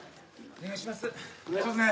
お願いしますね。